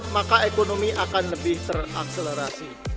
maka ekonomi akan lebih terakselerasi